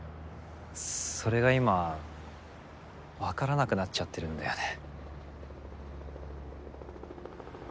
それが今分からなくなっちゃってるんだよね。